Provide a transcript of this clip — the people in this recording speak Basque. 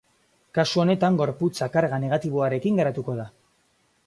Kasu honetan gorputza karga negatiboarekin geratuko da.